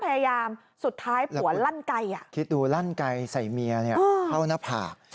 สุดท้ายผัวลั่นไกลคิดดูลั่นไกลใส่เมียเข้าหน้าผาก